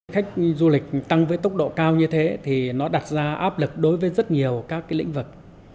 khách du lịch tăng với tốc độ cao như thế thì nó đặt ra áp lực đối với rất nhiều các cái lĩnh vực